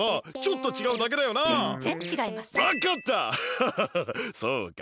ハハハそうか！